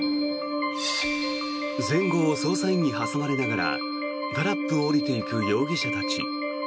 前後を捜査員に挟まれながらタラップを下りていく容疑者たち。